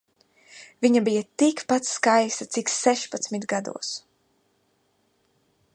Viņa bija tikpat skaista cik sešpadsmit gados.